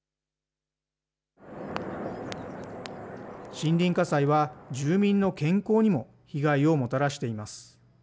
森林火災は住民の健康にも被害をもたらしています。